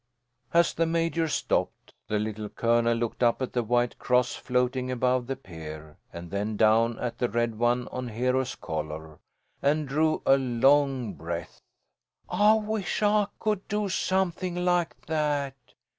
As the Major stopped, the Little Colonel looked up at the white cross floating above the pier, and then down at the red one on Hero's collar, and drew a long breath. "I wish I could do something like that!"